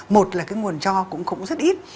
một là cái nguồn cho cũng rất ít